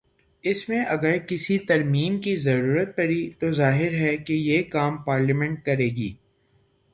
اس میں اگر کسی ترمیم کی ضرورت پڑی تو ظاہر ہے کہ یہ کام پارلیمنٹ کر ے گی۔